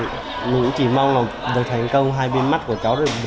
mình cũng chỉ mong là được thành công hai bên mắt của cháu đều như nhau